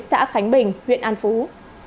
xã khánh bình huyện an phú